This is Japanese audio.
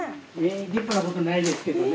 立派なことないですけどね。